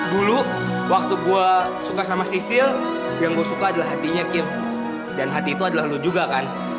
dulu waktu gue suka sama sisil yang gue suka adalah hatinya kim dan hati itu adalah lu juga kan